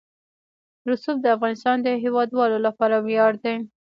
رسوب د افغانستان د هیوادوالو لپاره ویاړ دی.